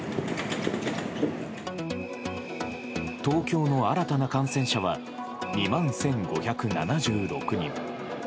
東京の新たな感染者は２万１５７６人。